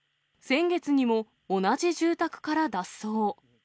先月にも、同じ住宅から脱走。